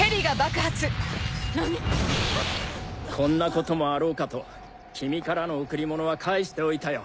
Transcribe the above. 何⁉こんなこともあろうかと君からの贈り物は返しておいたよ。